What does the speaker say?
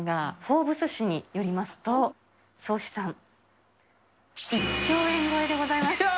フォーブスしによりますと、総資産１兆円超えでございます。